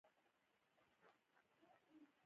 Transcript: علمي او فکري راوداري موجوده وي.